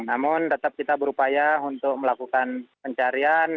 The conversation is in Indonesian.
namun tetap kita berupaya untuk melakukan pencarian